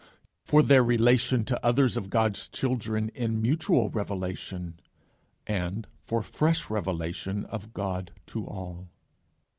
For their relation to others of God's children in mutual revelation; and for fresh revelation of God to all.